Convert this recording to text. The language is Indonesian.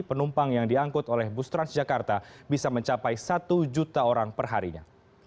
penumpang yang diangkut oleh bus transjakarta bisa mencapai satu juta orang perharinya